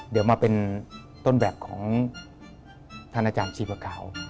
เดี๋ยวมาเป็นต้นแบบของท่านอาจารย์ชีพกาว